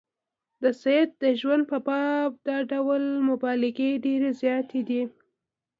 د سید د ژوند په باب دا ډول مبالغې ډېرې زیاتې دي.